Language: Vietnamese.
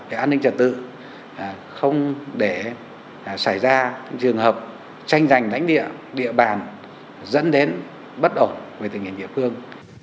không nên trật tự không để xảy ra trường hợp tranh giành đánh địa địa bàn dẫn đến bất ổn về tình hình địa phương